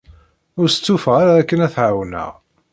Ur stufaɣ ara akken ad t-ɛawneɣ.